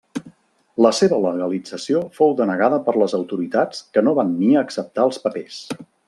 La seva legalització fou denegada per les autoritats que no van ni acceptar els papers.